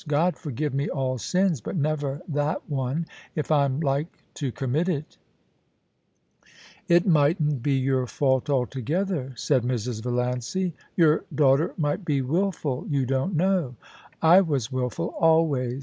God forgive me all sins, but never that one if I*m like to commit it' ' It mightn't be your fault altogether,' said Mrs. Valiancy. * Your daughter might be wilful — you don't know. I was wilful always.